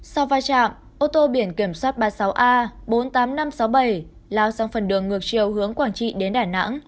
sau va chạm ô tô biển kiểm soát ba mươi sáu a bốn mươi tám nghìn năm trăm sáu mươi bảy lao sang phần đường ngược chiều hướng quảng trị đến đà nẵng